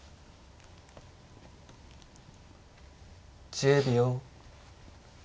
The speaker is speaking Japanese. １０秒。